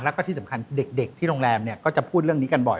แล้วก็ที่สำคัญเด็กที่โรงแรมเนี่ยก็จะพูดเรื่องนี้กันบ่อย